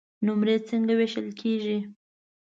نمرې څنګه وېشل کیږي؟